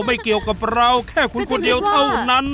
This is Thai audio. ไม่เกี่ยวกับเราแค่คุณคนเดียวเท่านั้น